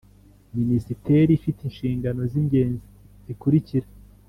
Minisiteri ifite inshingano z ingenzi zikurikira